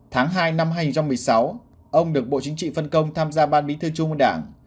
tháng hai năm hai nghìn một mươi sáu ông được bộ chính trị phân công tham gia ban bí thư trung ương đảng